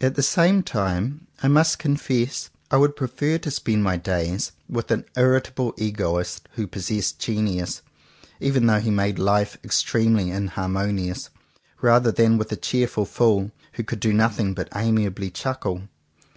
At the same time I must confess I would prefer to spend my days with an irritable egoist who possessed genius, even though he made life extremely inharmonious, rather than with a cheerful fool who could do nothing but amiably chuckle.